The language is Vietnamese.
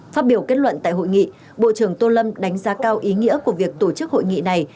phát biểu kết luận tại hội nghị bộ trưởng tô lâm đánh giá cao ý nghĩa của việc tổ chức hội nghị này